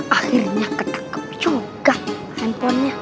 akhirnya ketegak juga pahenponnya